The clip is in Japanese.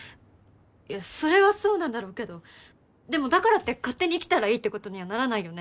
それはそうなんだろうけどでもだからって勝手に生きたらいいってことにはならないよね？